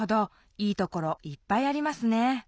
いいところいっぱいありますね